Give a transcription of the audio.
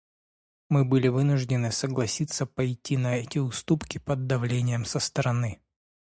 Мы были вынуждены согласиться пойти на эти уступки под давлением со стороны.